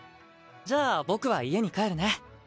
じゃあ僕は家に帰るね。